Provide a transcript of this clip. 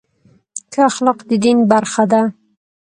ښه اخلاق د دین برخه ده.